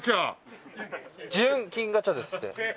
純金ガチャですって。